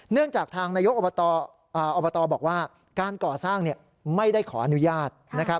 เนื่องจากทางนายกอบตบอกว่าการก่อสร้างไม่ได้ขออนุญาต